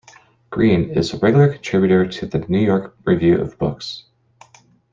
Green is a regular contributor to the "New York Review of Books".